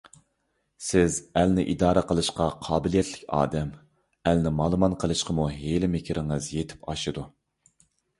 سىز ئەلنى ئىدارە قىلىشقا قابىلىيەتلىك ئادەم، ئەلنى مالىمان قىلىشقىمۇ ھىيلە - مىكرىڭىز يېتىپ ئاشىدۇ!